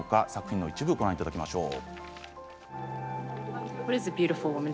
作品の一部をご覧いただきましょう。